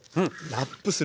ラップする。